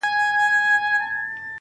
لا پر سوځلو ښاخلو پاڼي لري-